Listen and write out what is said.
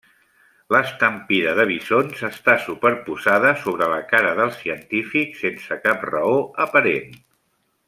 L'estampida de bisons està superposada sobre la cara del científic sense cap raó aparent.